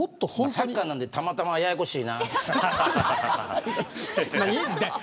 サッカーなんでたまたま、ややこしいな。